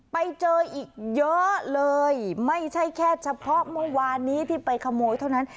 ไปเจออีกเยอะเลยไม่ใช่แค่เฉพาะเมื่อวานนี้ที่ไปขโมยเท่านั้น